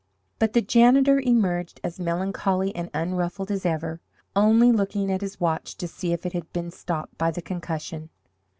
But the janitor emerged as melancholy and unruffled as ever, only looking at his watch to see if it had been stopped by the concussion.